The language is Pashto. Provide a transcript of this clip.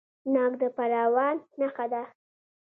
ناک د پروان نښه ده.